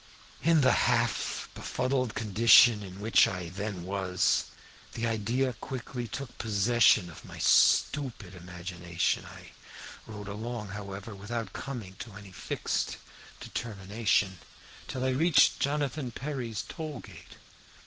"In the half befuddled condition in which I then was, the idea quickly took possession of my stupid imagination. I rode along, however, without coming to any fixed determination, till I reached Jonathan Perry's toll gate.